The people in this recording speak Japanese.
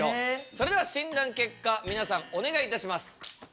それでは診断結果みなさんお願いいたします。